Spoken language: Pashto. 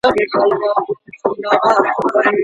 څه وخت دولتي شرکتونه د کور توکي هیواد ته راوړي؟